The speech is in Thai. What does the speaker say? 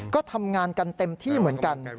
ก็ทำงานกันเต็มที่เหมือนกัน